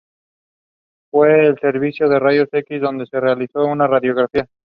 Fue al servicio de rayos X donde se realizó una radiografía.